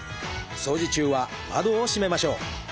掃除中は窓を閉めましょう。